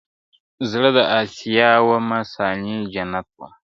• زړه د اسیا ومه ثاني جنت وم,